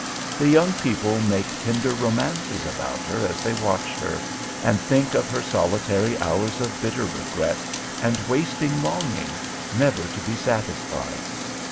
The young people make tender romances about her as they watch her, and think of her solitary hours of bitter regret, and wasting longing, never to be satisfied.